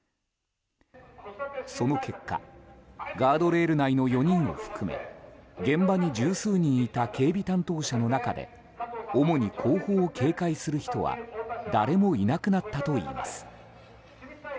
その結果ガードレール内の４人を含め現場に１０数人いた警備担当者の中で主に後方を警戒する人は誰もいなくなったといいます。